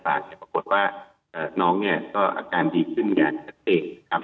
ปรากฏว่าน้องก็อาการดีขึ้นอย่างเจ็ดครับ